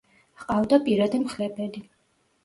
ჰყავდა პირადი მხლებელი.